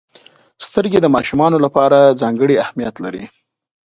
• سترګې د ماشومانو لپاره ځانګړې اهمیت لري.